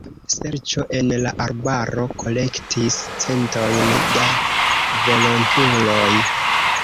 Serĉo en la arbaro kolektis centojn da volontuloj.